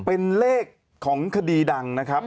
เป็นเลขของคดีดังนะครับ